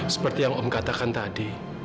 seperti yang om katakan tadi